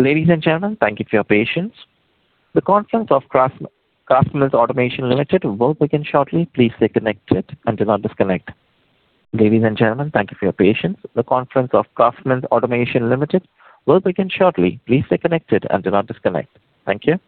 Ladies and gentlemen, thank you for your patience. The conference of Craftsman Automation Limited will begin shortly. Please stay connected and do not disconnect. Ladies and gentlemen, thank you for your patience. The conference of Craftsman Automation Limited will begin shortly. Please stay connected and do not disconnect. Thank you.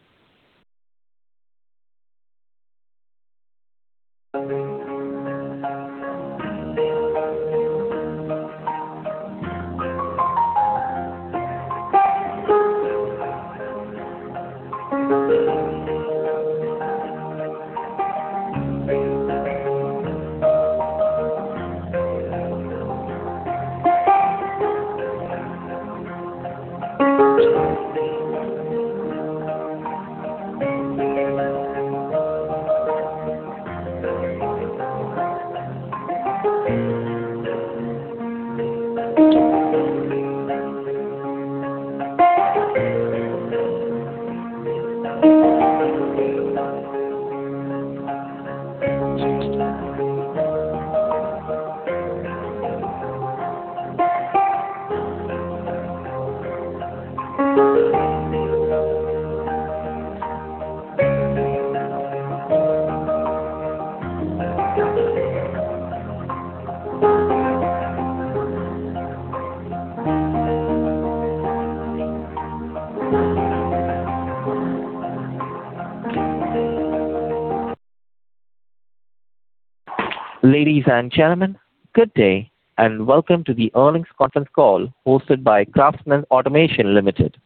Ladies and gentlemen, good day, and welcome to the earnings conference call hosted by Craftsman Automation Limited.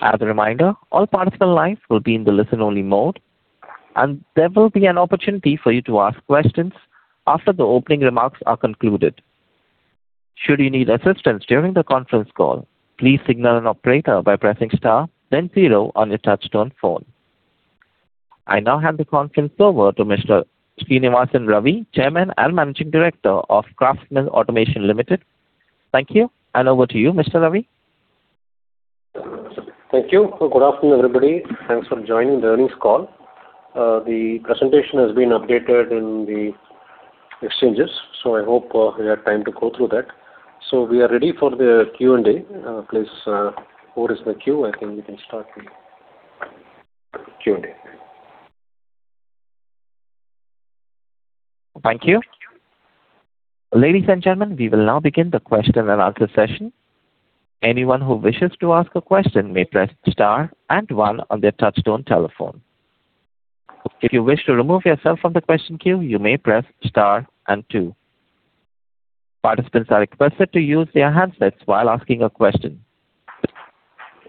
As a reminder, all participant lines will be in the listen-only mode, and there will be an opportunity for you to ask questions after the opening remarks are concluded. Should you need assistance during the conference call, please signal an operator by pressing star, then zero on your touchtone phone. I now hand the conference over to Mr. Srinivasan Ravi, Chairman and Managing Director of Craftsman Automation Limited. Thank you, and over to you, Mr. Ravi. Thank you. Good afternoon, everybody. Thanks for joining the earnings call. The presentation has been updated in the exchanges, so I hope you had time to go through that. We are ready for the Q&A. Please, what is the queue? I think we can start the Q&A. Thank you. Ladies and gentlemen, we will now begin the question and answer session. Anyone who wishes to ask a question may press star and one on their touchtone telephone. If you wish to remove yourself from the question queue, you may press star and two. Participants are requested to use their handsets while asking a question.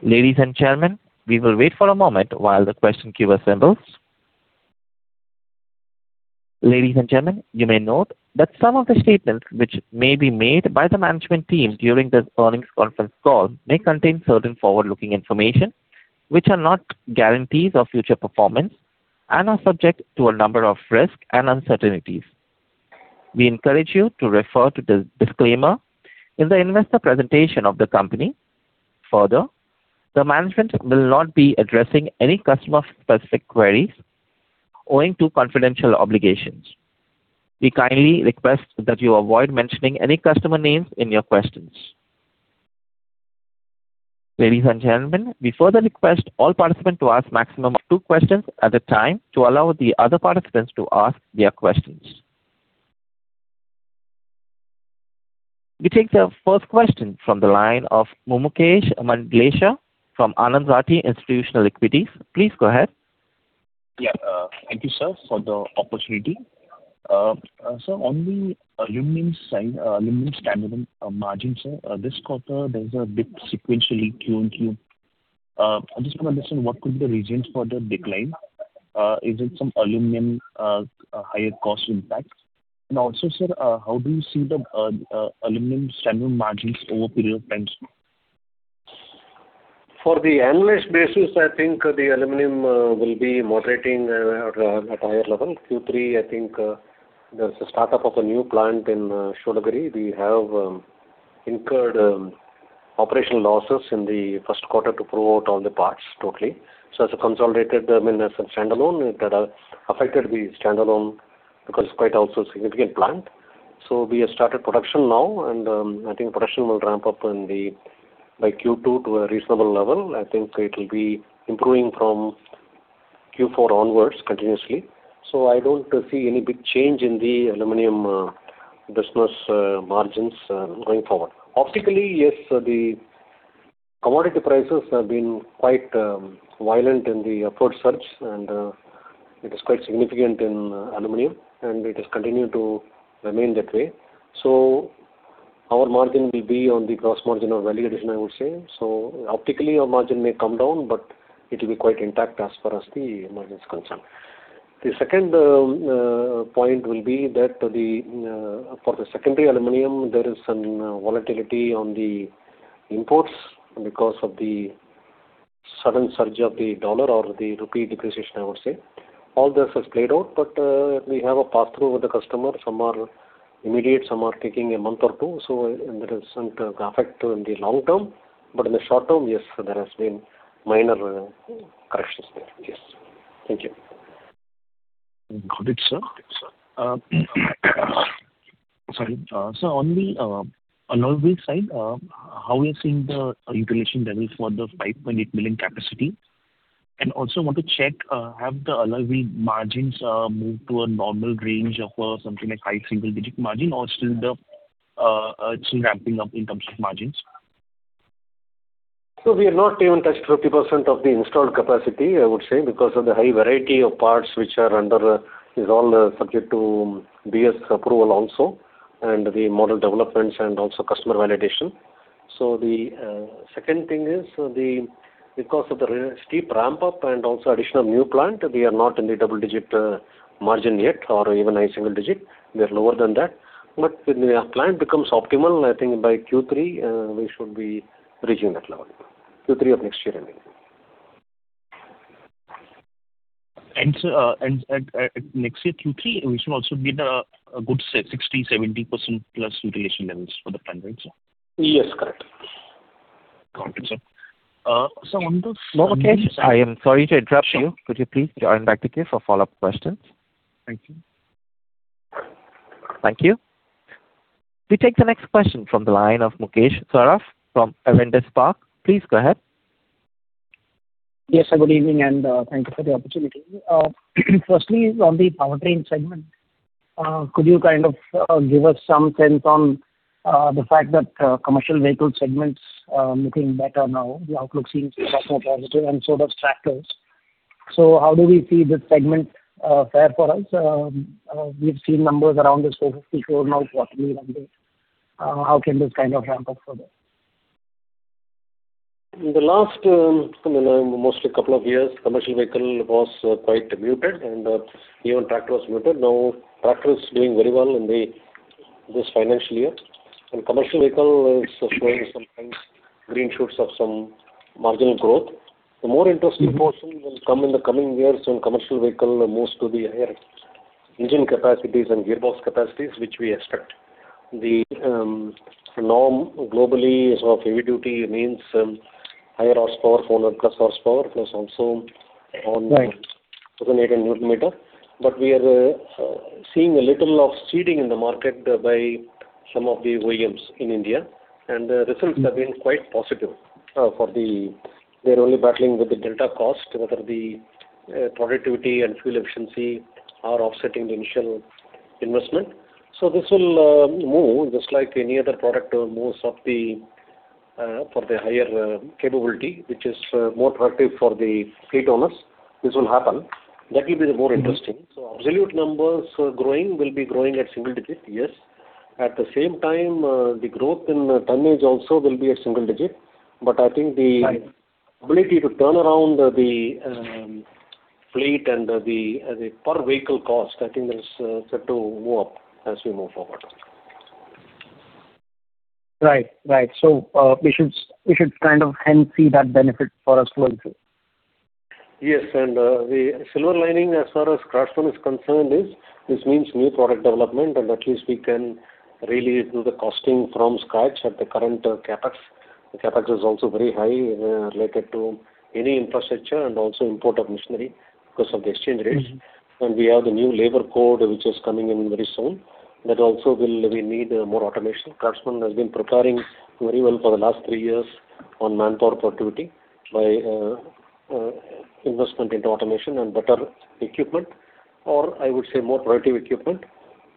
Ladies and gentlemen, we will wait for a moment while the question queue assembles. Ladies and gentlemen, you may note that some of the statements which may be made by the management team during this earnings conference call may contain certain forward-looking information, which are not guarantees of future performance and are subject to a number of risks and uncertainties. We encourage you to refer to the disclaimer in the investor presentation of the company. Further, the management will not be addressing any customer specific queries owing to confidential obligations. We kindly request that you avoid mentioning any customer names in your questions. Ladies and gentlemen, we further request all participants to ask maximum of two questions at a time to allow the other participants to ask their questions. We take the first question from the line of Mumuksh Mandlesha from Anand Rathi Institutional Equities. Please go ahead. Yeah, thank you, sir, for the opportunity. So on the aluminum side, aluminum standalone margins this quarter, there's a dip sequentially Q on Q. I just want to understand, what could be the reasons for the decline? Is it some aluminum higher cost impact? And also, sir, how do you see the aluminum standalone margins over a period of time? For the annual basis, I think the aluminum will be moderating at higher level. Q3, I think, there's a startup of a new plant in Shoolagiri. We have incurred operational losses in the first quarter to prove out all the parts totally. So as a consolidated, I mean, as a standalone, that has affected the standalone because it's quite also a significant plant. So we have started production now, and I think production will ramp up by Q2 to a reasonable level. I think it will be improving from Q4 onwards continuously. So I don't see any big change in the aluminum business margins going forward. Optically, yes, the commodity prices have been quite violent in the upward surge, and it is quite significant in aluminum, and it has continued to remain that way. So our margin will be on the gross margin of value addition, I would say. So optically, our margin may come down, but it will be quite intact as far as the margin is concerned. The second point will be that for the secondary aluminum, there is some volatility on the imports because of the sudden surge of the dollar or the rupee depreciation, I would say. All this has played out, but we have a pass-through with the customer. Some are immediate, some are taking a month or two, so there isn't an effect in the long term. But in the short term, yes, there has been minor corrections there. Yes. Thank you.... Got it, sir. Sorry. So on the, another side, how we are seeing the utilization levels for the 5.8 million capacity? And also want to check, have the margins, moved to a normal range of, something like high single digit margin or still the, still ramping up in terms of margins? So we have not even touched 50% of the installed capacity, I would say, because of the high variety of parts which are under is all subject to BS approval also, and the model developments and also customer validation. So the second thing is, because of the steep ramp up and also additional new plant, we are not in the double-digit margin yet, or even high single-digit. We are lower than that. But when our client becomes optimal, I think by Q3 we should be reaching that level. Q3 of next year, I mean. Sir, next year, Q3, we should also get a good 60%, 70%+ utilization levels for the plant, right, sir? Yes, correct. Got it, sir. So on the- Mumuksh, I am sorry to interrupt you. Could you please join back the queue for follow-up questions? Thank you. Thank you. We take the next question from the line of Mukesh Saraf from Avendus Spark. Please go ahead. Yes, sir, good evening, and thank you for the opportunity. Firstly, on the Powertrain segment, could you kind of give us some sense on the fact that commercial vehicle segments are looking better now? The outlook seems positive and so does tractors. So how do we see this segment fare for us? We've seen numbers around this 454, now quarterly number. How can this kind of ramp up for that? In the last mostly couple of years, commercial vehicle was quite muted, and even tractor was muted. Now, tractor is doing very well in this financial year, and commercial vehicle is showing some signs, green shoots of some marginal growth. The more interesting portion will come in the coming years when commercial vehicle moves to the higher engine capacities and gearbox capacities, which we expect. The norm globally is of heavy duty, means higher horsepower, 400+ horsepower, plus also on- Right. 2,800 Newton meter. But we are seeing a little of seeding in the market by some of the OEMs in India, and the results have been quite positive for the... They're only battling with the delta cost, whether the productivity and fuel efficiency are offsetting the initial investment. So this will move, just like any other product, most of the for the higher capability, which is more attractive for the fleet owners. This will happen. That will be the more interesting. So absolute numbers growing, will be growing at single digit, yes. At the same time, the growth in tonnage also will be a single digit. But I think the- Right. - ability to turn around the fleet and the per vehicle cost, I think, is set to go up as we move forward. Right. Right. So, we should, we should kind of hence see that benefit for us going through? Yes, and, the silver lining as far as Craftsman is concerned is, this means new product development, and at least we can really do the costing from scratch at the current CapEx. The CapEx is also very high, related to any infrastructure and also import of machinery because of the exchange rates. Mm. And we have the new labor code, which is coming in very soon. That also will, we need more automation. Craftsman has been preparing very well for the last three years on manpower productivity by, investment into automation and better equipment, or I would say, more productive equipment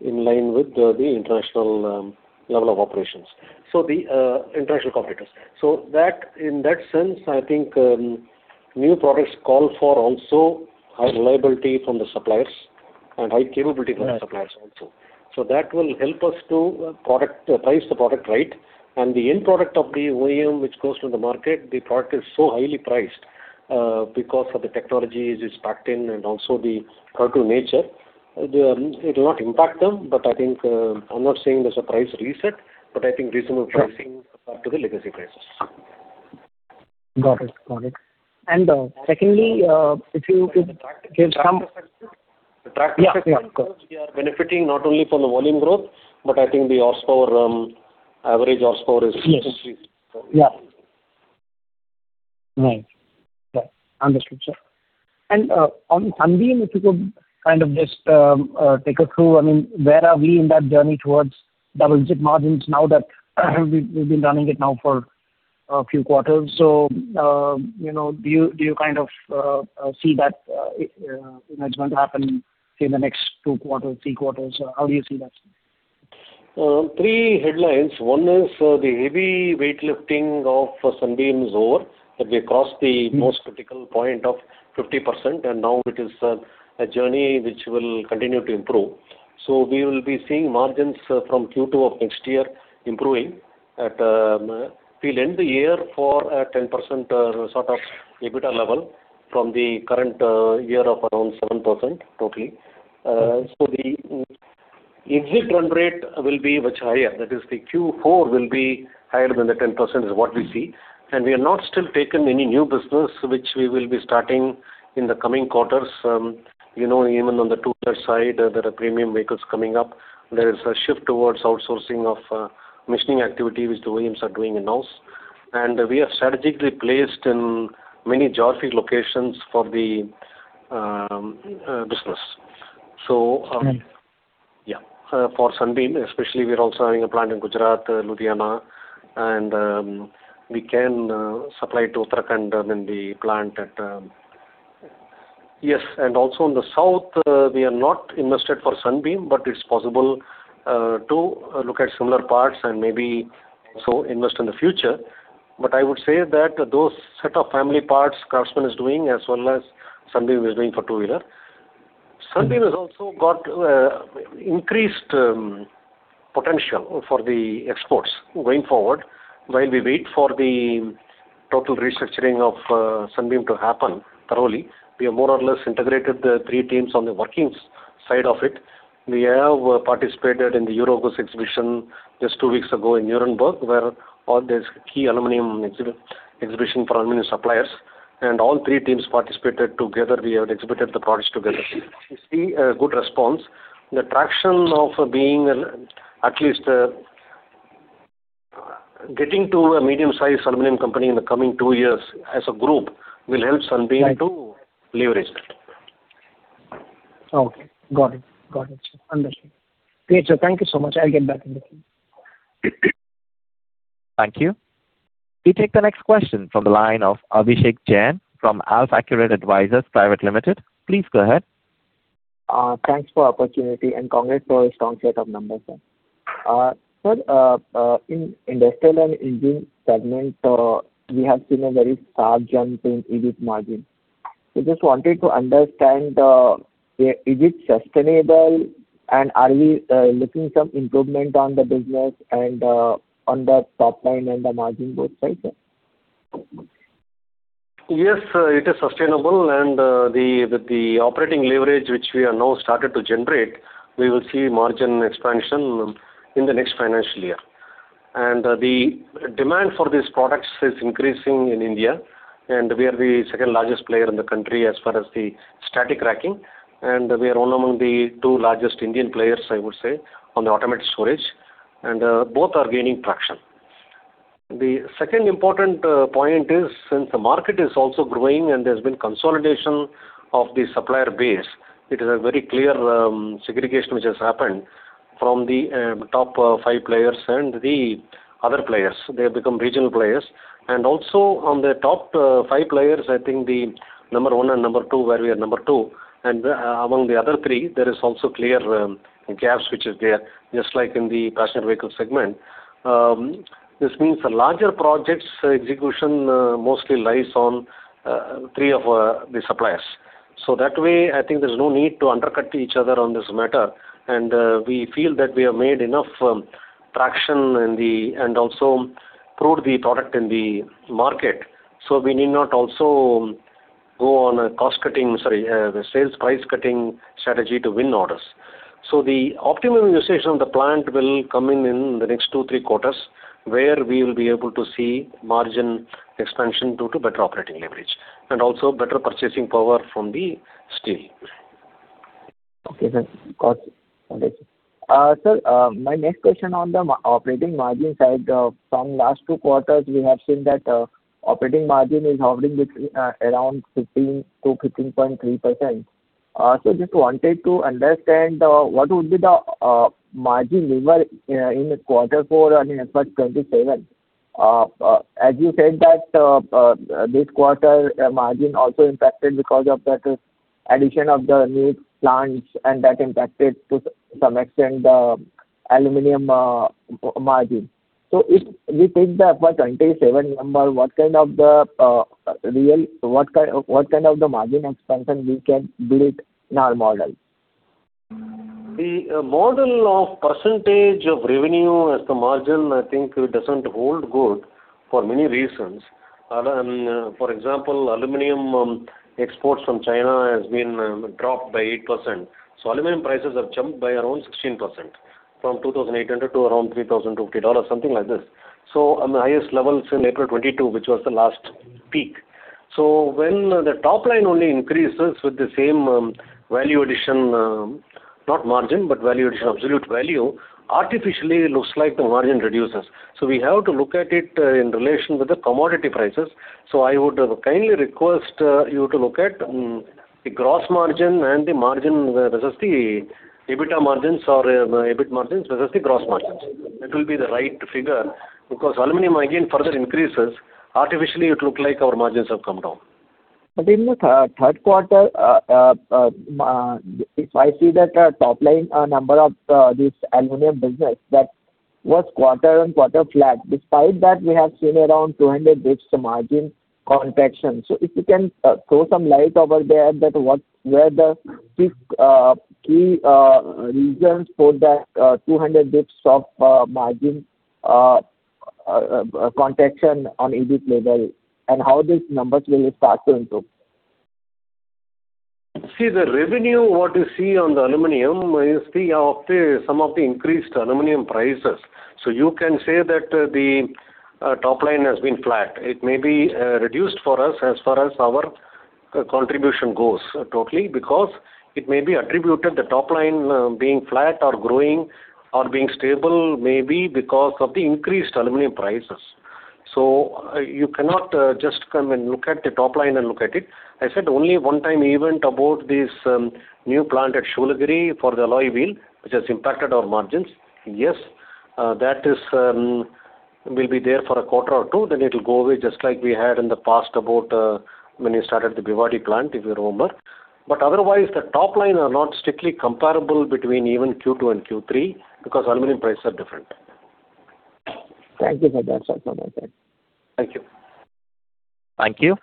in line with, the international, level of operations. So the, international competitors. So that, in that sense, I think, new products call for also high reliability from the suppliers and high capability from the suppliers also. Right. So that will help us to product, price the product right. And the end product of the OEM, which goes to the market, the product is so highly priced because of the technologies is packed in and also the cultural nature. The it will not impact them, but I think I'm not saying there's a price reset, but I think reasonable pricing- Right. back to the legacy prices. Got it. Got it. And, secondly, if you could give some- The tractor sector? The tractor sector- Yeah, yeah, of course. We are benefiting not only from the volume growth, but I think the horsepower, average horsepower is- Yes. -increased. Yeah. Right. Yeah. Understood, sir. And on Sunbeam, if you could kind of just take us through, I mean, where are we in that journey towards double-digit margins now that we've been running it now for a few quarters? So, you know, do you kind of see that, you know, it's going to happen in the next two quarters, three quarters? How do you see that? Three headlines. One is, the heavy weightlifting of Sunbeam is over. That we crossed the- Mm. most critical point of 50%, and now it is a journey which will continue to improve. So we will be seeing margins from Q2 of next year improving. At, we'll end the year for a 10% sort of EBITDA level from the current year of around 7% totally. So the exit run rate will be much higher. That is, the Q4 will be higher than the 10%, is what we see. And we have not still taken any new business, which we will be starting in the coming quarters. You know, even on the two-wheeler side, there are premium vehicles coming up. There is a shift towards outsourcing of machining activity, which the OEMs are doing in-house. And we are strategically placed in many geographic locations for the business. So, yeah, for Sunbeam, especially, we are also having a plant in Gujarat, Ludhiana, and, we can, supply to Uttarakhand, and then we plant at-- Yes, and also in the south, we are not invested for Sunbeam, but it's possible, to look at similar parts and maybe also invest in the future. But I would say that those set of family parts, Craftsman is doing, as well as Sunbeam is doing for two-wheeler. Sunbeam has also got, increased, potential for the exports going forward. While we wait for the total restructuring of, Sunbeam to happen thoroughly, we have more or less integrated the three teams on the workings side of it. We have participated in the EuroBLECH exhibition just two weeks ago in Nuremberg, where all these key aluminum exhibition for aluminum suppliers and all three teams participated together. We have exhibited the products together. We see a good response. The traction of being an at least, getting to a medium-sized aluminum company in the coming two years as a group will help Sunbeam to leverage it. Okay, got it. Got it. Understood. Great, sir. Thank you so much. I'll get back with you. Thank you. We take the next question from the line of Abhishek Jain from AlfAccurate Advisors Private Limited. Please go ahead. Thanks for opportunity, and congrats for a strong set of numbers, sir. Sir, in Industrial & Engineering segment, we have seen a very sharp jump in EBIT margin. So just wanted to understand, is it sustainable, and are we looking some improvement on the business and on the top line and the margin, both sides, sir? Yes, it is sustainable, and the operating leverage, which we are now started to generate, we will see margin expansion in the next financial year. And the demand for these products is increasing in India, and we are the second largest player in the country as far as the Static Racking, and we are one among the two largest Indian players, I would say, on the Automated Storage, and both are gaining traction. The second important point is, since the market is also growing and there's been consolidation of the supplier base, it is a very clear segregation which has happened from the top five players and the other players. They have become regional players. And also, on the top, five players, I think the number one and number two, where we are number two, and, among the other three, there is also clear gaps which is there, just like in the passenger vehicle segment. This means the larger projects execution mostly lies on three of the suppliers. So that way, I think there's no need to undercut each other on this matter, and we feel that we have made enough traction and also proved the product in the market. So we need not also go on a cost-cutting, the sales price-cutting strategy to win orders. The optimum utilization of the plant will come in the next 2-3 quarters, where we will be able to see margin expansion due to better operating leverage and also better purchasing power from the steel. Okay, sir. Got it. Sir, my next question on the operating margin side. From last two quarters, we have seen that operating margin is hovering between around 15-15.3%. So just wanted to understand what would be the margin lever in quarter four and in FY 2027. As you said, that this quarter margin also impacted because of that addition of the new plants, and that impacted to some extent, the aluminum margin. So if we take the FY 2027 number, what kind of the margin expansion we can build in our model? The model of percentage of revenue as the margin, I think, doesn't hold good for many reasons. For example, aluminum exports from China has been dropped by 8%, so aluminum prices have jumped by around 16%, from $2,800 to around $3,050, something like this. So on the highest levels in April 2022, which was the last peak. So when the top line only increases with the same value addition, not margin, but value addition, absolute value, artificially, it looks like the margin reduces. So we have to look at it in relation with the commodity prices. So I would kindly request you to look at the gross margin and the margin versus the EBITDA margins or EBIT margins versus the gross margins. That will be the right figure, because aluminum, again, further increases, artificially, it look like our margins have come down. But in the third quarter, if I see that top line number of this aluminum business, that was quarter-on-quarter flat. Despite that, we have seen around 200 basis points margin contraction. So if you can throw some light over there, that what were the six key reasons for that 200 basis points of margin contraction on EBIT level, and how these numbers will start to improve? See, the revenue, what you see on the aluminum is some of the increased aluminum prices. So you can say that, the top line has been flat. It may be reduced for us as far as our contribution goes totally, because it may be attributed the top line being flat or growing or being stable, maybe because of the increased aluminum prices. So, you cannot just come and look at the top line and look at it. I said only one time event about this, new plant at Shoolagiri for the alloy wheel, which has impacted our margins. Yes, that is will be there for a quarter or two, then it will go away, just like we had in the past about, when we started the Bhiwadi plant, if you remember. But otherwise, the top line are not strictly comparable between even Q2 and Q3, because aluminum prices are different. Thank you for that. That's all from my side. Thank you. Thank you.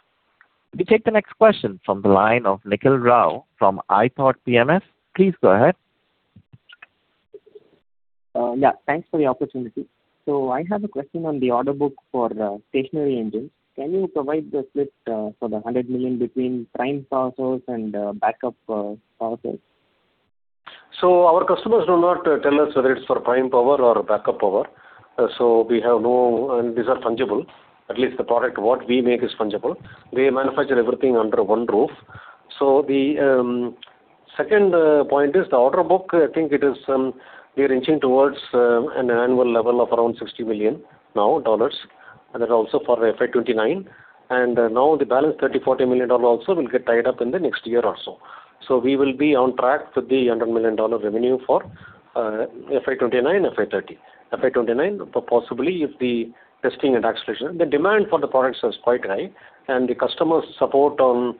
We take the next question from the line of Nikhil Rao from ithoughtPMS. Please go ahead. Yeah, thanks for the opportunity. So I have a question on the order book for stationary engines. Can you provide the split for the 100 million between prime power source and backup power source? So our customers do not tell us whether it's for prime power or backup power. So we have and these are fungible. At least the product what we make is fungible. We manufacture everything under one roof. So the second point is the order book, I think it is, we are inching towards an annual level of around $60 million now, and that also for FY 2029. And now the balance $30-$40 million also will get tied up in the next year or so. So we will be on track with the $100 million revenue for FY 2029, FY 2030. FY 2029, possibly, if the testing and acceleration. The demand for the products is quite high, and the customer support on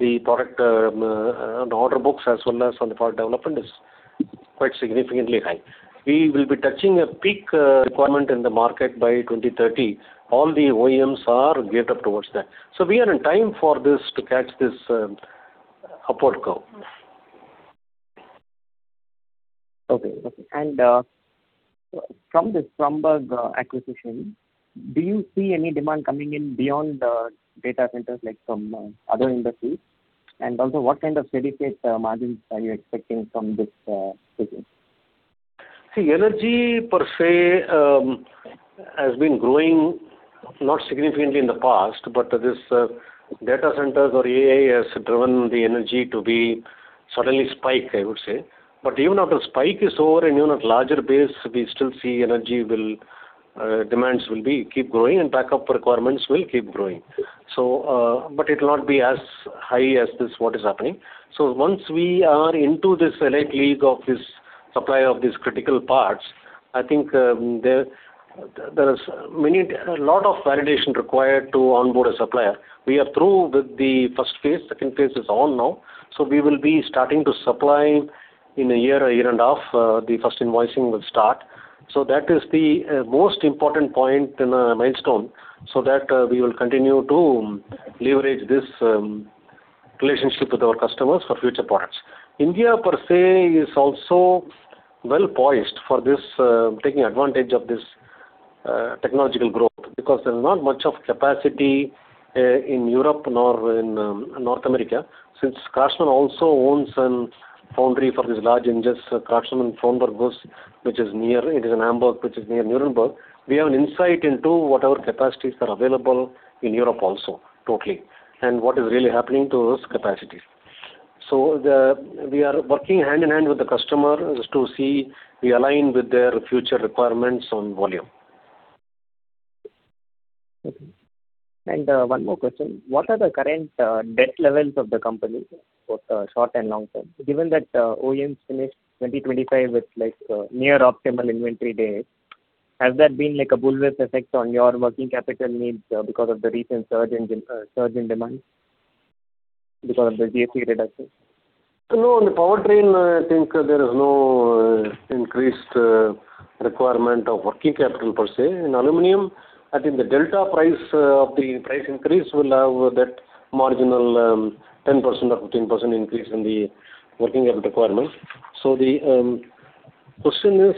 the product, on the order books as well as on the product development is quite significantly high. We will be touching a peak requirement in the market by 2030. All the OEMs are geared up towards that. So we are in time for this to catch this upward curve. Okay. And, from this Fronberg acquisition, do you see any demand coming in beyond the data centers, like from other industries? And also, what kind of steady state margins are you expecting from this business? See, energy per se has been growing not significantly in the past, but this, data centers or AI has driven the energy to be suddenly spike, I would say. But even after spike is over and even at larger base, we still see energy will, demands will be keep growing and backup requirements will keep growing. So, but it will not be as high as this, what is happening. So once we are into this elite league of this supply of these critical parts, I think, there, there is many, a lot of validation required to onboard a supplier. We are through with the first phase. Second phase is on now. So we will be starting to supply in a year, a year and a half, the first invoicing will start. So that is the most important point in a milestone, so that we will continue to leverage this relationship with our customers for future products. India, per se, is also well poised for this, taking advantage of this technological growth, because there's not much of capacity in Europe nor in North America. Since KraussMaffei also owns a foundry for these large engines, KraussMaffei foundry, which is near it is in Hamburg, which is near Nuremberg. We have an insight into what our capacities are available in Europe also, totally, and what is really happening to those capacities. So the we are working hand in hand with the customer just to see we align with their future requirements on volume. Okay. And one more question: What are the current debt levels of the company for short and long term? Given that OEMs finished 2025 with, like, near optimal inventory days, has that been, like, a bullwhip effect on your working capital needs because of the recent surge in demand because of the GAC reduction? No, in the powertrain, I think there is no increased requirement of working capital per se. In aluminum, I think the delta price of the price increase will have that marginal 10% or 15% increase in the working capital requirement. So the question is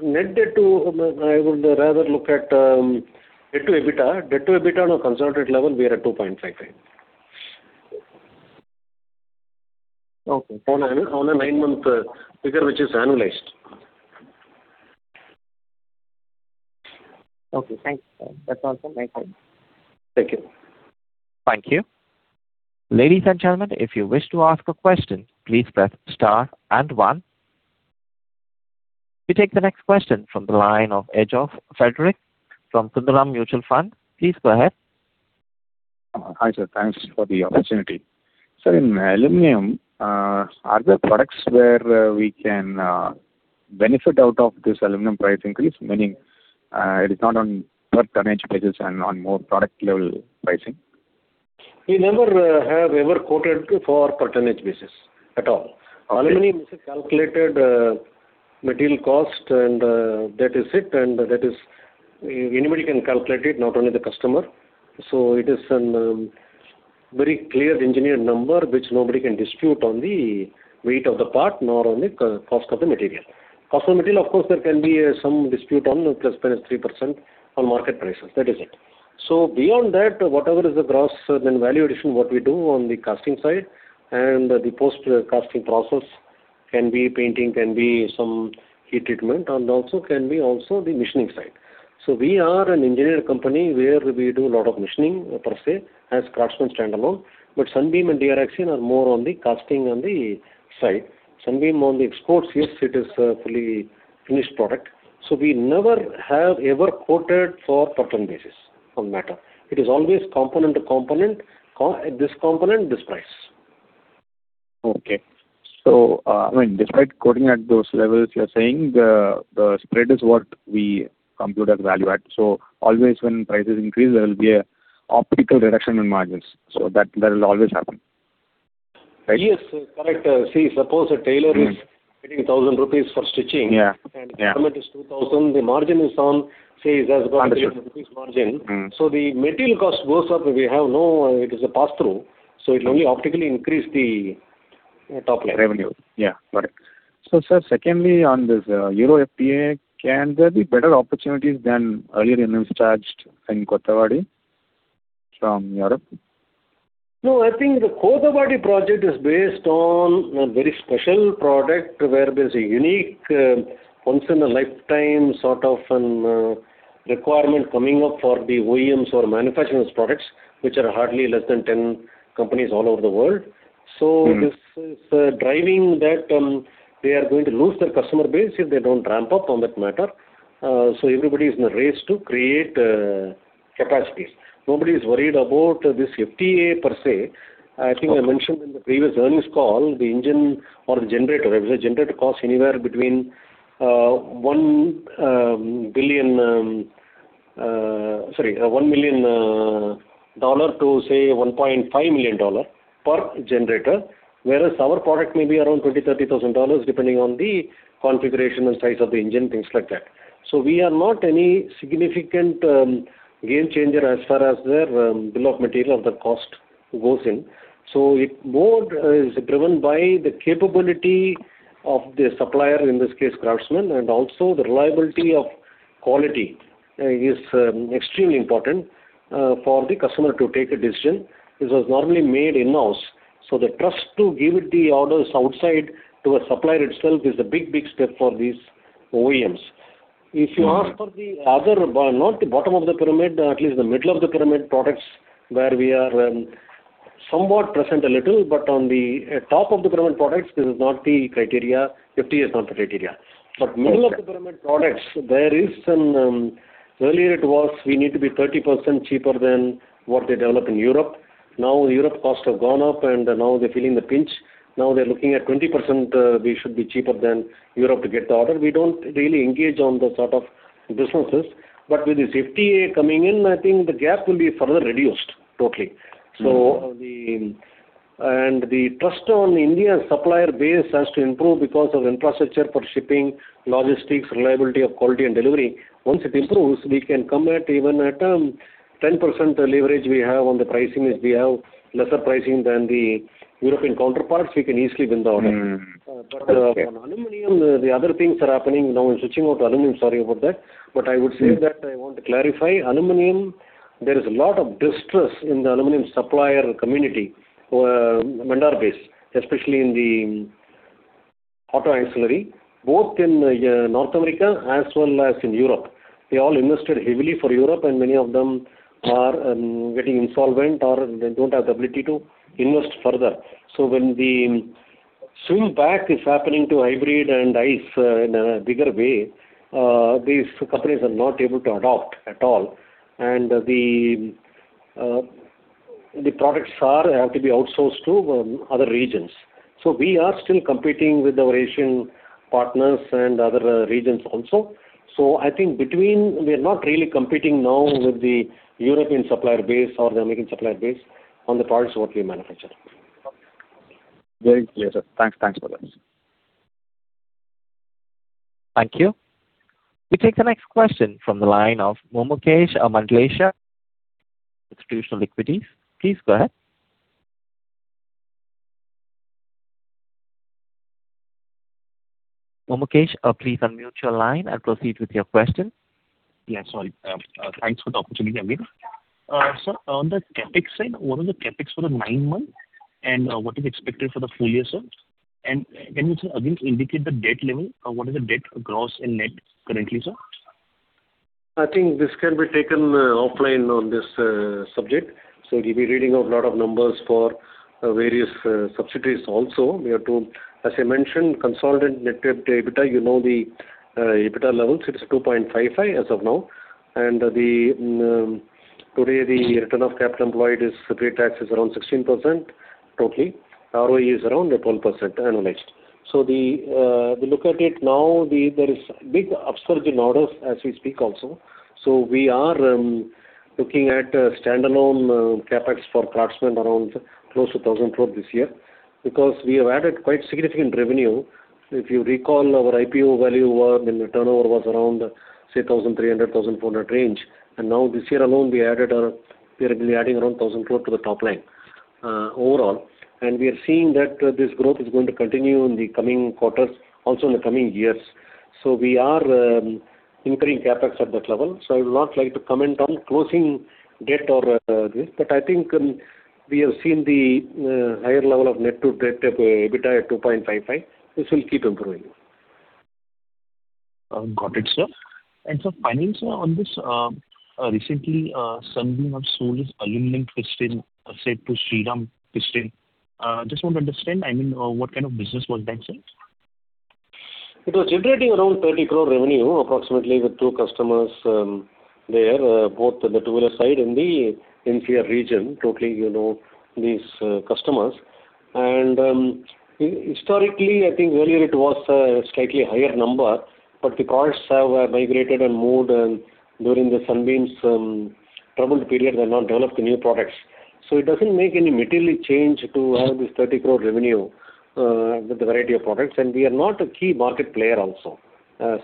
net debt to... I would rather look at debt to EBITDA. Debt to EBITDA on a consolidated level, we are at 2.5 times. Okay. On a nine-month figure, which is annualized. Okay, thanks. That's all from my side. Thank you. Thank you. Ladies and gentlemen, if you wish to ask a question, please press star and one. We take the next question from the line of Ajox Frederick from Sundaram Mutual Fund. Please go ahead. Hi, sir, thanks for the opportunity. Sir, in aluminum, are there products where we can benefit out of this aluminum price increase? Meaning, it is not on per tonnage basis and on more product level pricing. We never have ever quoted for per tonnage basis at all. Okay. Aluminum is a calculated material cost, and that is it, and that is anybody can calculate it, not only the customer. So it is a very clear engineered number, which nobody can dispute on the weight of the part, nor on the cost of the material. Cost of the material, of course, there can be some dispute on ±3% on market prices. That is it. So beyond that, whatever is the gross, then value addition, what we do on the casting side and the post casting process can be painting, can be some heat treatment, and also can be the machining side. So we are an engineering company where we do a lot of machining per se, as Craftsman standalone, but Sunbeam and DR Axion are more on the casting side. Sunbeam on the exports, yes, it is a fully finished product. So we never have ever quoted for per ton basis on matter. It is always component to component. This component, this price. Okay. So, I mean, despite quoting at those levels, you're saying the spread is what we compute as value add. So always when prices increase, there will be an optical reduction in margins, so that will always happen, right? Yes, correct. See, suppose a tailor is getting 1,000 rupees for stitching- Yeah, yeah. and garment is 2,000, the margin is on, say, he has got- Understood. -margin. Mm. So the material cost goes up, it is a pass-through, so it only optically increase the top line. Revenue. Yeah, got it. So, sir, secondly, on this, Euro FTA, can there be better opportunities than earlier announced charged in Kothavadi from Europe? No, I think the Kothavadi project is based on a very special product, where there's a unique, once-in-a-lifetime sort of an, requirement coming up for the OEMs or manufacturers products, which are hardly less than 10 companies all over the world. Mm. So this is driving that. They are going to lose their customer base if they don't ramp up on that matter. So everybody is in a race to create capacities. Nobody is worried about this FTA, per se. Okay. I think I mentioned in the previous earnings call, the engine or the generator, as a generator, costs anywhere between, sorry, $1 million to, say, $1.5 million per generator. Whereas our product may be around $20,000-$30,000, depending on the configuration and size of the engine, things like that. So we are not any significant game changer as far as their bill of material of the cost goes in. So it more is driven by the capability of the supplier, in this case, Craftsman, and also the reliability of quality is extremely important for the customer to take a decision. This was normally made in-house, so the trust to give the orders outside to a supplier itself is a big, big step for these OEMs. Mm. If you ask for the other, not the bottom of the pyramid, at least the middle of the pyramid products, where we are, somewhat present a little, but on the top of the pyramid products, this is not the criteria. FTA is not the criteria. Okay. But middle of the pyramid products, there is some, earlier it was, we need to be 30% cheaper than what they develop in Europe. Now, Europe costs have gone up, and now they're feeling the pinch. Now they're looking at 20%, we should be cheaper than Europe to get the order. We don't really engage on those sort of businesses. But with this FTA coming in, I think the gap will be further reduced, totally. Mm. The trust on India's supplier base has to improve because of infrastructure for shipping, logistics, reliability of quality and delivery. Once it improves, we can come at, even at, 10% leverage we have on the pricing, is we have lesser pricing than the European counterparts, we can easily win the order. Mm. Okay. But on aluminum, the other things are happening now. I'm switching over to aluminum, sorry about that. But I would say that I want to clarify, aluminum, there is a lot of distress in the aluminum supplier community, vendor base, especially in the auto ancillary, both in North America as well as in Europe. They all invested heavily for Europe, and many of them are getting insolvent or they don't have the ability to invest further. So when the swing back is happening to hybrid and ICE in a bigger way, these companies are not able to adopt at all. And the products have to be outsourced to other regions. So we are still competing with our Asian partners and other regions also. I think between, we are not really competing now with the European supplier base or the American supplier base on the products what we manufacture. Okay. Very clear, sir. Thanks. Thanks for that. Thank you. We take the next question from the line of Mumuksh Mandlesha, Instutional Equities. Please go ahead. Mumuksh, please unmute your line and proceed with your question. Yeah, sorry. Thanks for the opportunity, Naveen. So on the CapEx side, what are the CapEx for the nine months, and what is expected for the full year, sir? Can you, sir, again, indicate the debt level, what is the debt, gross and net currently, sir? I think this can be taken offline on this subject. So it'll be reading of a lot of numbers for various subsidiaries also. We have to, as I mentioned, consolidated net debt to EBITDA, you know the EBITDA levels, it is 2.55 as of now. And today, the return of capital employed is, pre-tax, around 16% totally. ROE is around 12% annualized. So we look at it now, there is a big upsurge in orders as we speak also. So we are looking at standalone CapEx for Craftsman around close to 1,000 crore this year, because we have added quite significant revenue. If you recall, our IPO value were, when the turnover was around, say, 1,300 crore-1,400 crore range, and now this year alone, we added, we are adding around 1,000 crore to the top line, overall. And we are seeing that, this growth is going to continue in the coming quarters, also in the coming years... So we are increasing CapEx at that level. So I would not like to comment on closing date or, this, but I think, we have seen the, higher level of net to debt of EBITDA at 2.55. This will keep improving. Got it, sir. And so finally, sir, on this recently, Sunbeam have sold its aluminum piston business to Shriram Pistons. Just want to understand, I mean, what kind of business was that, sir? It was generating around 30 crore revenue, approximately, with 2 customers there, both the two-wheeler side in the NCR region, totally, you know, these customers. Historically, I think earlier it was a slightly higher number, but the cars have migrated and moved, and during the Sunbeam's troubled period, they've not developed the new products. So it doesn't make any materially change to have this 30 crore revenue with the variety of products, and we are not a key market player also,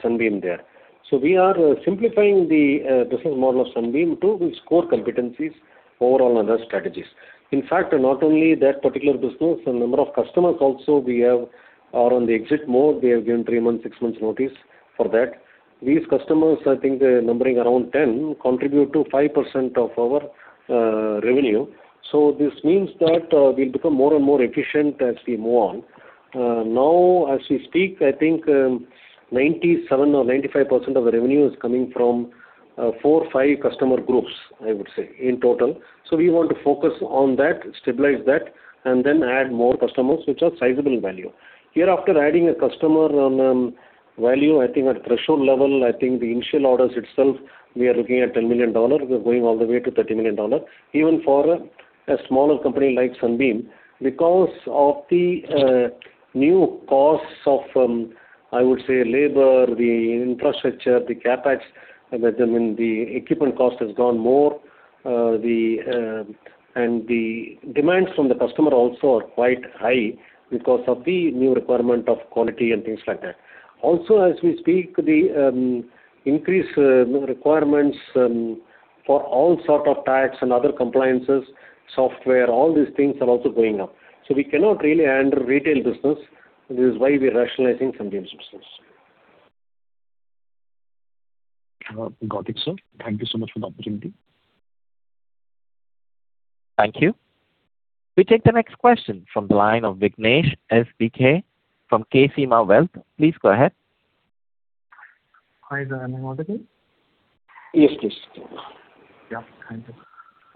Sunbeam there. So we are simplifying the business model of Sunbeam to its core competencies overall and other strategies. In fact, not only that particular business, a number of customers also we have are on the exit mode. We have given 3 months, 6 months notice for that. These customers, I think they're numbering around 10, contribute to 5% of our revenue. So this means that we'll become more and more efficient as we move on. Now, as we speak, I think 97% or 95% of the revenue is coming from 4, 5 customer groups, I would say, in total. So we want to focus on that, stabilize that, and then add more customers, which are sizable value. Here, after adding a customer on value, I think at threshold level, I think the initial orders itself, we are looking at $10 million. We're going all the way to $30 million. Even for a smaller company like Sunbeam, because of the new costs of, I would say, labor, the infrastructure, the CapEx, I mean, the equipment cost has gone more. And the demands from the customer also are quite high because of the new requirement of quality and things like that. Also, as we speak, the increased requirements for all sort of tax and other compliances, software, all these things are also going up. So we cannot really handle retail business. This is why we are rationalizing Sunbeam's business. Got it, sir. Thank you so much for the opportunity. Thank you. We take the next question from the line of Vignesh SBK, from Ksema Wealth. Please go ahead. Hi there, I'm in order here? Yes, please. Yeah. Thank you.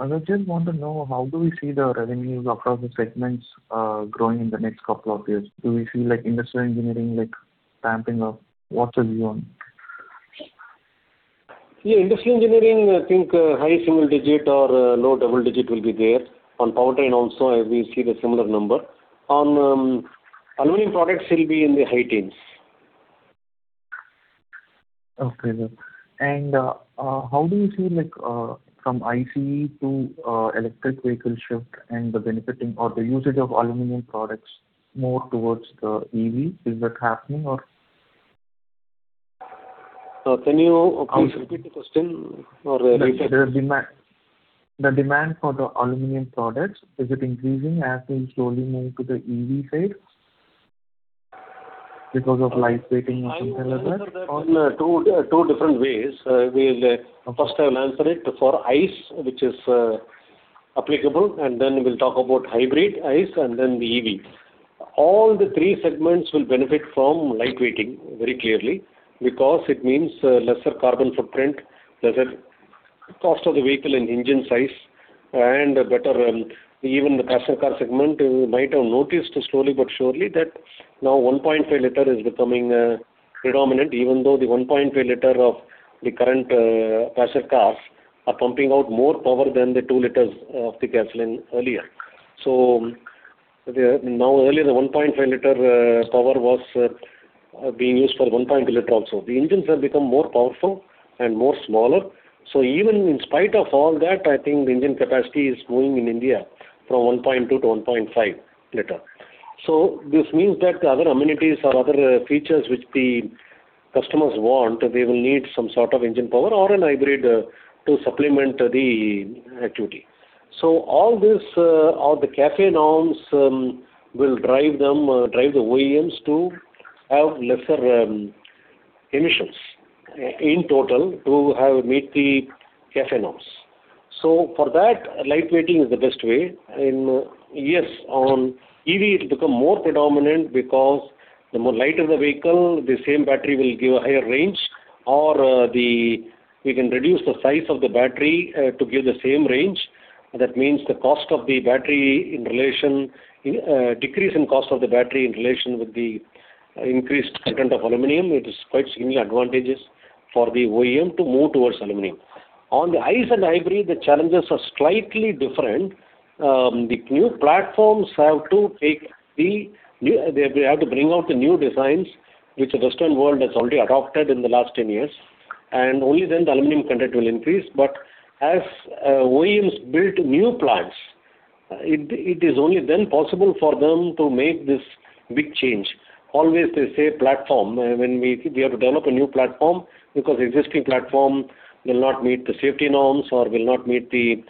I just want to know, how do we see the revenues across the segments, growing in the next couple of years? Do we see, like, industrial engineering, like, ramping up? What's the view on? Yeah, Industrial & Engineering, I think, high single digit or low double digit will be there. On Powertrain also, we see the similar number. On Aluminum Products will be in the high teens. Okay, good. And, how do you see, like, from ICE to electric vehicle shift and the benefiting or the usage of aluminum products more towards the EV? Is that happening or? Can you repeat the question or rephrase it? The demand, the demand for the aluminum products, is it increasing as we slowly move to the EV side because of lightweighting and things like that? I will answer that on two different ways. We'll first I will answer it for ICE, which is applicable, and then we'll talk about hybrid ICE and then the EV. All the three segments will benefit from lightweighting very clearly, because it means lesser carbon footprint, lesser cost of the vehicle and engine size, and a better even the passenger car segment, you might have noticed slowly but surely that now 1.5 liter is becoming predominant, even though the 1.5 liter of the current passenger cars are pumping out more power than the 2 liters of the gasoline earlier. So now earlier, the 1.5 liter power was being used for 1.2 liter also. The engines have become more powerful and more smaller. So even in spite of all that, I think the engine capacity is growing in India from 1.2 to 1.5 liter. So this means that the other amenities or other features which the customers want, they will need some sort of engine power or a hybrid to supplement the activity. So all this, all the CAFE norms will drive them, drive the OEMs to have lesser emissions in total to help meet the CAFE norms. So for that, lightweighting is the best way. And yes, on EV, it'll become more predominant because the more lighter the vehicle, the same battery will give a higher range, or we can reduce the size of the battery to give the same range. That means the cost of the battery in relation, decrease in cost of the battery in relation with the increased content of aluminum, it is quite significantly advantageous for the OEM to move towards aluminum. On the ICE and hybrid, the challenges are slightly different. They, they have to bring out the new designs, which the Western world has already adopted in the last 10 years, and only then the aluminum content will increase. But as OEMs build new plants, it, it is only then possible for them to make this big change. Always they say platform, when we, we have to develop a new platform, because existing platform will not meet the safety norms or will not meet the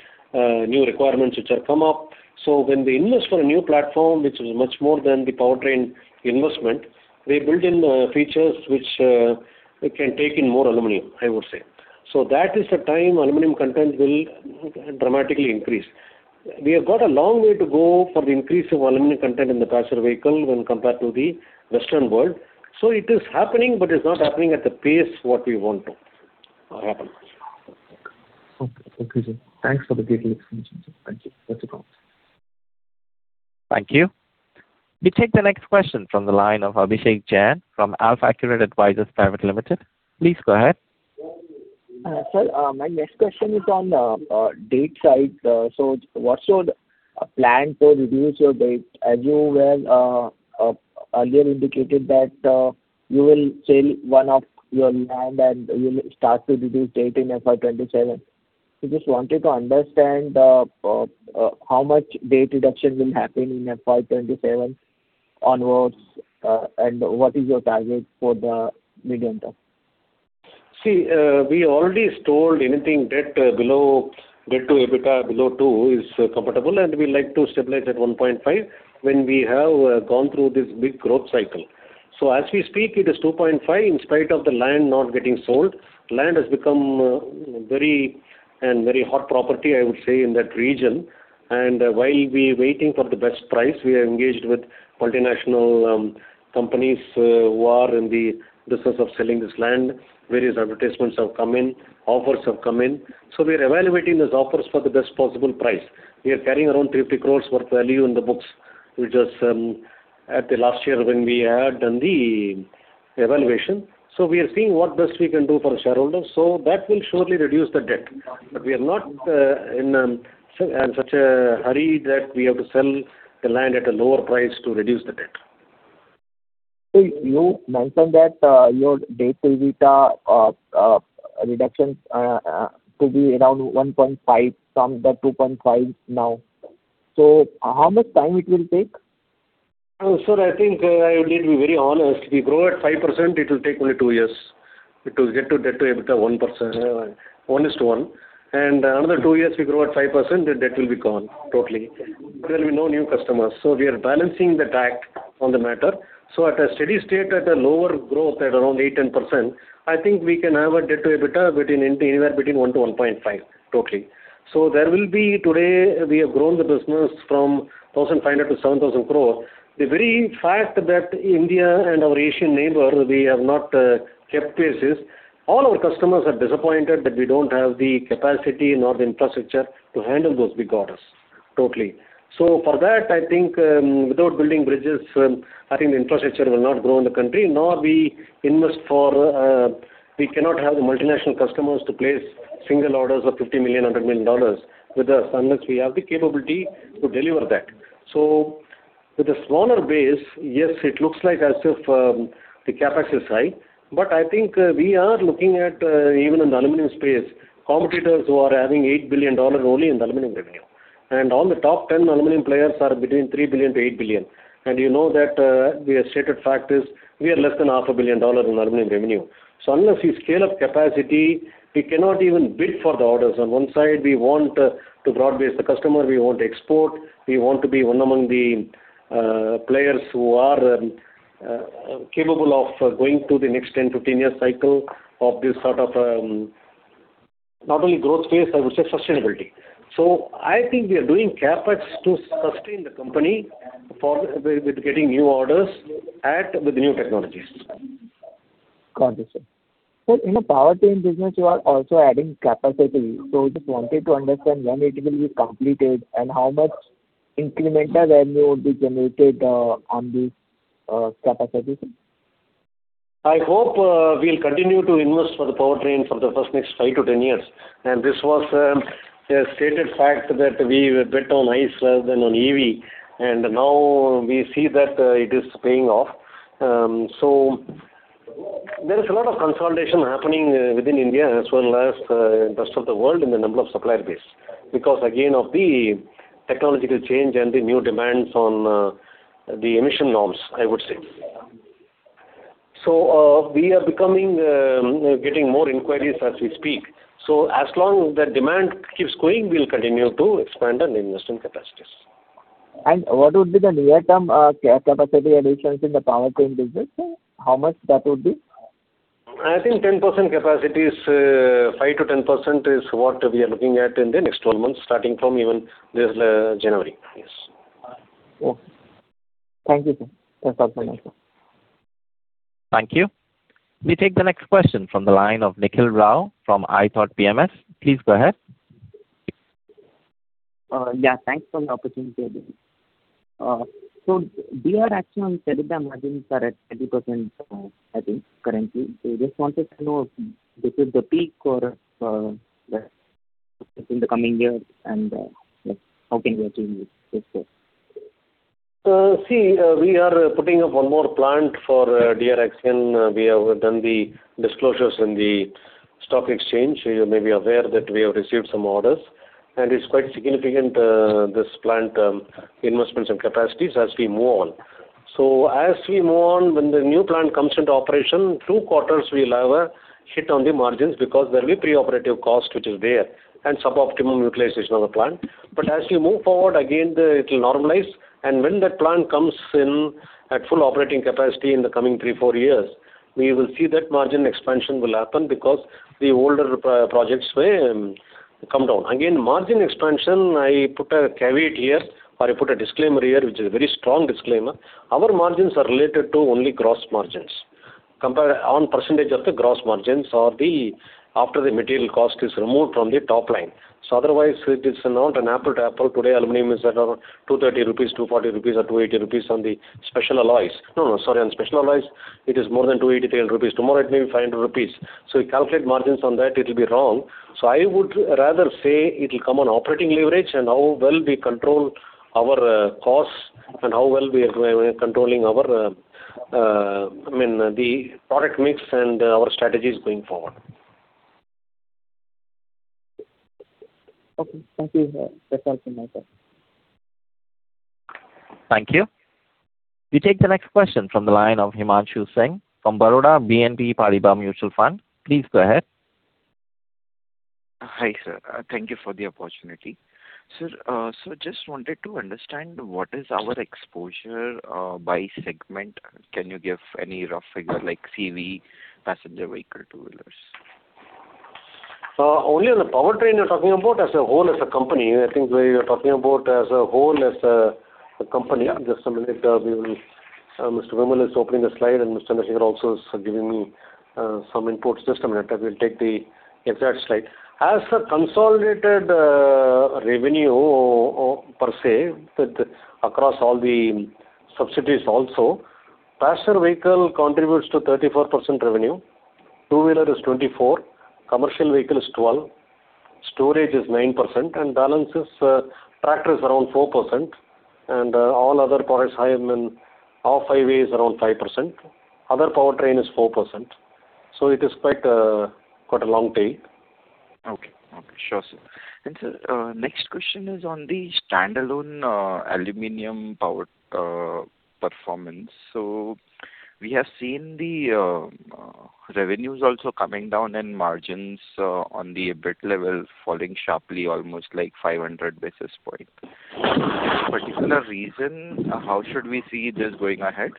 new requirements which have come up. So when they invest for a new platform, which is much more than the powertrain investment, they build in features which can take in more aluminum, I would say. So that is the time aluminum content will dramatically increase. We have got a long way to go for the increase of aluminum content in the passenger vehicle when compared to the Western world. So it is happening, but it's not happening at the pace what we want to happen. Okay. Thank you, sir. Thanks for the great explanation, sir. Thank you. That's it all. Thank you. We take the next question from the line of Abhishek Jain from AlfAccurate Advisors Private Limited. Please go ahead. Sir, my next question is on debt side. So what's your plan to reduce your debt? As you were earlier indicated that you will sell one of your land and you will start to reduce debt in FY 2027. We just wanted to understand how much debt reduction will happen in FY 2027 onwards, and what is your target for the medium term? See, we already store any debt below, debt to EBITDA below 2 is comfortable, and we like to stabilize at 1.5 when we have gone through this big growth cycle. So as we speak, it is 2.5, in spite of the land not getting sold. Land has become very, very hot property, I would say, in that region. And while we waiting for the best price, we are engaged with multinational companies who are in the business of selling this land. Various advertisements have come in, offers have come in, so we are evaluating those offers for the best possible price. We are carrying around 300 crore worth value in the books, which was at the last year when we had done the evaluation. So we are seeing the best we can do for our shareholders. So that will surely reduce the debt. But we are not in such a hurry that we have to sell the land at a lower price to reduce the debt. So you mentioned that your debt to EBITDA reduction to be around 1.5 from the 2.5 now. So how much time it will take? Sir, I think, I need to be very honest. If we grow at 5%, it will take only 2 years to get to debt to EBITDA 1x, 1 is to 1, and another 2 years, we grow at 5%, the debt will be gone, totally. There will be no new customers. So we are balancing the tact on the matter. So at a steady state, at a lower growth, at around 8%-10%, I think we can have a debt to EBITDA between—anywhere between 1-1.5x, totally. So there will be—Today, we have grown the business from 1,500 crore to 7,000 crore. The very fact that India and our Asian neighbor, we have not kept pace, all our customers are disappointed that we don't have the capacity nor the infrastructure to handle those big orders, totally. So for that, I think, without building bridges, I think the infrastructure will not grow in the country, nor we invest for... We cannot have the multinational customers to place single orders of $50 million, $100 million with us, unless we have the capability to deliver that. So with a smaller base, yes, it looks like as if, the CapEx is high, but I think, we are looking at, even in the aluminum space, competitors who are having $8 billion only in the aluminum revenue. And all the top 10 aluminum players are between $3 billion-$8 billion. And you know that, the stated fact is we are less than $500 million in Aluminum revenue. So unless you scale up capacity, we cannot even bid for the orders. On one side, we want to broad-base the customer, we want to export, we want to be one among the players who are capable of going to the next 10, 15-year cycle of this sort of, not only growth phase, I would say, sustainability. So I think we are doing CapEx to sustain the company for with, with getting new orders and with new technologies. Got it, sir. So in the powertrain business, you are also adding capacity. So just wanted to understand when it will be completed and how much incremental revenue will be generated, on the capacity? I hope we'll continue to invest for the powertrains for the first next 5 to 10 years. And this was a stated fact that we bet on ICE rather than on EV, and now we see that it is paying off. So there is a lot of consolidation happening within India as well as rest of the world in the number of supplier base, because again of the technological change and the new demands on the emission norms, I would say. So we are becoming getting more inquiries as we speak. So as long as the demand keeps going, we'll continue to expand and invest in capacities. What would be the near-term capacity addition in the Powertrain business? How much that would be? I think 10% capacities, 5%-10% is what we are looking at in the next 12 months, starting from even this January. Yes. Okay. Thank you, sir. That's all for now. Thank you. We take the next question from the line of Nikhil Rao from ithoughtPMS. Please go ahead. Yeah, thanks for the opportunity. So DR Axion aluminum margins are at 20%, I think, currently. So just wanted to know if this is the peak or in the coming years and how can we achieve this goal? See, we are putting up one more plant for DR Axion. We have done the disclosures in the stock exchange. You may be aware that we have received some orders, and it's quite significant, this plant, investments and capacities as we move on. So as we move on, when the new plant comes into operation, two quarters, we'll have a hit on the margins because there will be preoperative cost, which is there, and suboptimal utilization of the plant. But as we move forward again, it will normalize, and when that plant comes in at full operating capacity in the coming 3-4 years... We will see that margin expansion will happen because the older projects may come down. Again, margin expansion, I put a caveat here, or I put a disclaimer here, which is a very strong disclaimer. Our margins are related to only gross margins. Compare—on percentage of the gross margins or after the material cost is removed from the top line. So otherwise, it is not an apples to apples. Today, aluminum is at around 230 rupees, 240 rupees, or 280 rupees on the special alloys. No, no, sorry, on special alloys, it is more than 280 rupees. Tomorrow, it may be 500 rupees. So you calculate margins on that, it will be wrong. So I would rather say it will come on operating leverage and how well we control our costs and how well we are controlling our, I mean, the product mix and our strategies going forward. Okay. Thank you, sir. That's all from my side. Thank you. We take the next question from the line of Himanshu Singh from Baroda BNP Paribas Mutual Fund. Please go ahead. Hi, sir. Thank you for the opportunity. Sir, so just wanted to understand what is our exposure, by segment. Can you give any rough figure like CV, passenger vehicle, two-wheelers? Only on the powertrain you're talking about as a whole, as a company? I think where you're talking about as a whole, as a company. Just a minute, we will. Mr. Vimal is opening the slide, and Mr. Nasir also is giving me some inputs. Just a minute, I will take the exact slide. As a consolidated revenue per se, with across all the subsidiaries also, passenger vehicle contributes to 34% revenue, two-wheeler is 24%, commercial vehicle is 12%, storage is 9%, and balance is, tractor is around 4%, and all other products, I mean, off highway is around 5%, other powertrain is 4%. So it is quite, quite a long tail. Okay. Okay. Sure, sir. And sir, next question is on the standalone aluminum power performance. So we have seen the revenues also coming down and margins on the EBIT level falling sharply, almost like 500 basis point. Any particular reason, how should we see this going ahead?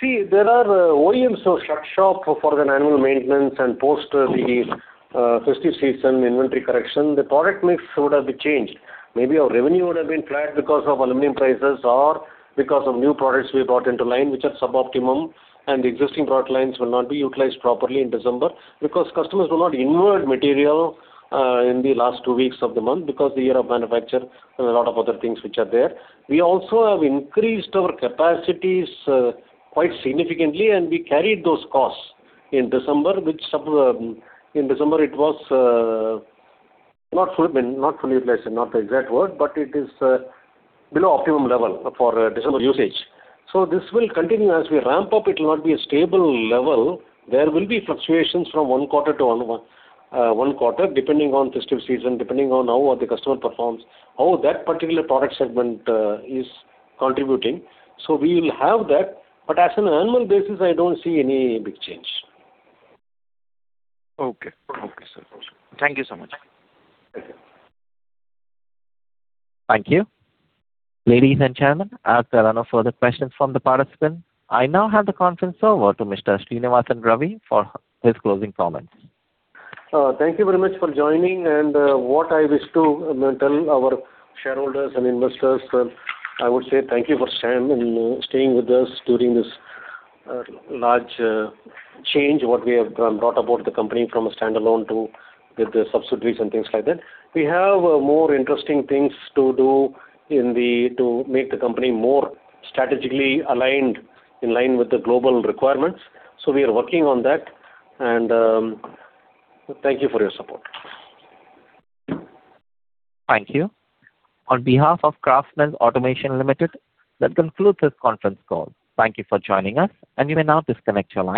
See, there are OEMs who shut shop for their annual maintenance and post the, festive season inventory correction. The product mix would have been changed. Maybe our revenue would have been flat because of aluminum prices or because of new products we brought into line, which are suboptimal, and the existing product lines will not be utilized properly in December, because customers will not inward material, in the last two weeks of the month, because the year of manufacture and a lot of other things which are there. We also have increased our capacities, quite significantly, and we carried those costs in December, which suppose, in December, it was, not fully, not fully utilized, not the exact word, but it is, below optimum level for December usage. So this will continue. As we ramp up, it will not be a stable level. There will be fluctuations from one quarter to one, one quarter, depending on festive season, depending on how well the customer performs, how that particular product segment, is contributing. So we will have that, but as an annual basis, I don't see any big change. Okay. Okay, sir. Thank you so much. Thank you. Thank you. Ladies and gentlemen, as there are no further questions from the participant, I now hand the conference over to Mr. Srinivasan Ravi for his closing comments. Thank you very much for joining, and what I wish to tell our shareholders and investors, I would say thank you for staying, staying with us during this large change, what we have done, brought about the company from a standalone to with the subsidiaries and things like that. We have more interesting things to do in the to make the company more strategically aligned, in line with the global requirements. So we are working on that, and thank you for your support. Thank you. On behalf of Craftsman Automation Limited, that concludes this conference call. Thank you for joining us, and you may now disconnect your lines.